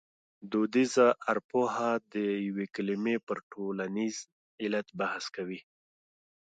دودیزه ارپوهه د یوې کلمې پر ټولنیز علت بحث کوي